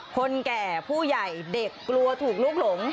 คนแก่ผู้ใหญ่เด็กกลัวถูกลุกหลง